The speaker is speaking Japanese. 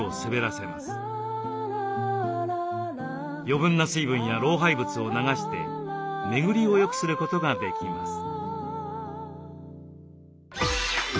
余分な水分や老廃物を流して巡りをよくすることができます。